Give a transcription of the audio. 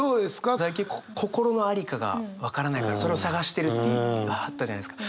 さっき心の在りかが分からないからそれを探してるって言わはったじゃないですか。